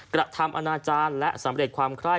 กระทำอนาจารย์และสำเร็จความไคร้